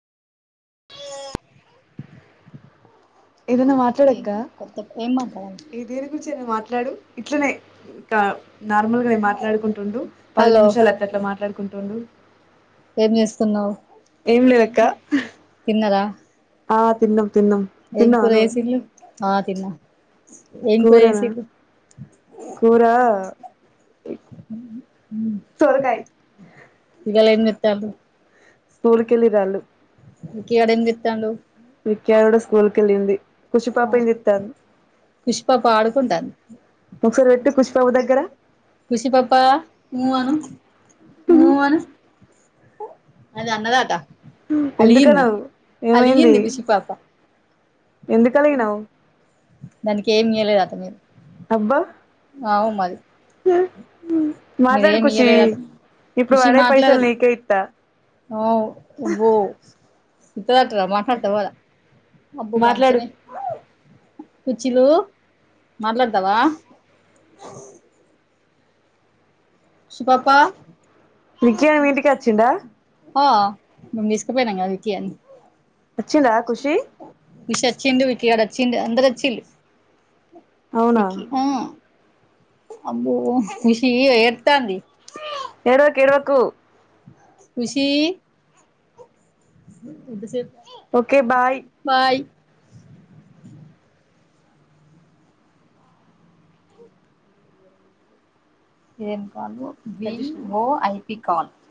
కొత్త ఏంమాట్లాడాలి హలో ఏం చేస్తున్నావు ఏం లేదక్క ఆ తిన్నాం తిన్నాం ఏం కూడా చేసిండ్రు ఆ తిన్న ఏం కూరసిర్లు ఇవాళ ఏమ్ తెత్తల్లు స్కూల్కి వెళ్ళి రాళ్ళు ఇవాడ ఎం తస్తాడు కుషిపాప ఆడుకుంటాను కుషిపాపా మూ్వను ఓ అను ఎందుకనదు ఏమైంది ఎందుకులిగినావు అబ్బా మాట్లాడు ఖుషి ఇప్పుడు వాడే పైసలు నీకే ఇత్తా అ ఉబ ఇత్త దట మాట్లాడతవద అబ్బు బాచ్చనే కుచ్చిలు మాట్లాడతావా అ ష్ పాపా ఆ మేమ్ తీసుకపోయినాం గదా నిస్సివచ్చిండు విక్కిగాడు వచ్చిండు అందరు వచ్చిల్లు విక్కి ఆ అబ్బో ఖుషి వేర్ తంది ఖుషి ఎంత సేపు ఓకే బాయ్ ఏను వా బ ఓ ఐపీ కాల్